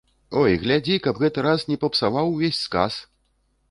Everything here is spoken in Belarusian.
Ой, глядзі, каб гэты раз не папсаваў увесь сказ!